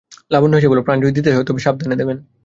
লাবণ্য হেসে বললে, প্রাণ যদি দিতেই হয় তো সাবধানে দেবেন।